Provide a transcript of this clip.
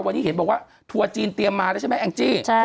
วันนี้เห็นบอกว่าทัวร์จีนเตรียมมาแล้วใช่ไหมแองจี้